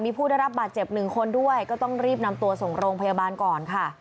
มีผู้ได้รับบาดเจ็บหนึ่งคนด้วยก็ต้องรีบนำตัวส่งโรงพยาบาลก่อนค่ะ